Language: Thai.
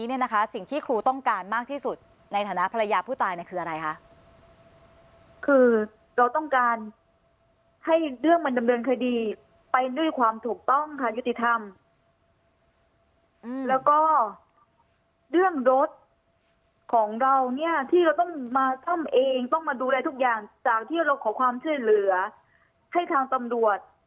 แล้วก็เรื่องรถของเราเนี่ยที่เราต้องมาซ่อมเองต้องมาดูแลทุกอย่างจากที่เราขอความเชื่อเหลือให้ทางตำรวจ